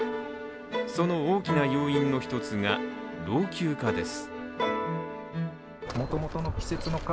その大きな要因の一つが老朽化です。